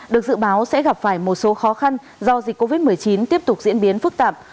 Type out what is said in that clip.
được dự báo sẽ gặp phải một số khó khăn do dịch covid một mươi chín tiếp tục diễn biến phức tạp